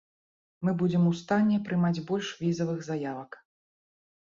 Мы будзем у стане прымаць больш візавых заявак.